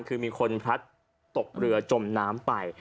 คือมีคนพลัดตกเรือจมน้ำไป